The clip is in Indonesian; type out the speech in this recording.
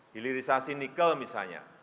hilirisasi nikel misalnya